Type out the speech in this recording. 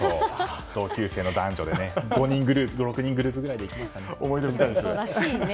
同級生の男女、５６人のグループくらいで行きましたね。